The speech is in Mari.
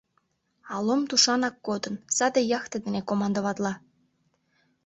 А Лом тушанак кодын, саде яхте дене командоватла.